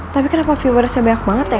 tapi kenapa viewersnya banyak banget ya